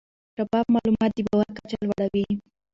شفاف معلومات د باور کچه لوړه وي.